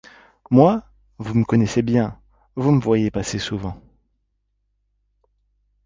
Moi, vous me connaissez bien, vous me voyez passer souvent.